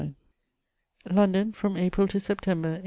*' London, from April to September, 1822.